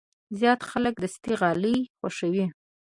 زیات خلک دستي غالۍ خوښوي.